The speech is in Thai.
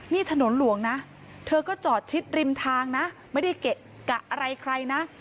นี่ถนนหลวงนะเธอก็จอดชิดริมทางนะไม่ได้เกะกะอะไรใครนะ